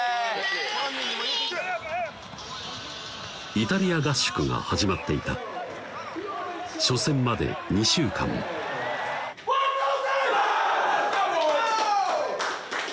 イタリア合宿が始まっていた初戦まで２週間ワンツースリー！